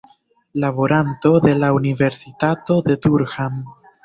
Laboranto de la Universitato de Durham.